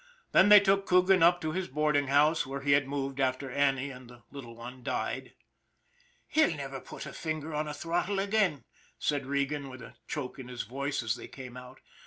Then they took Coogan up to his boarding house, where he had moved after Annie and the little one died. " He'll never put his finger on a throttle again," said Regan with a choke in his voice, as they came out.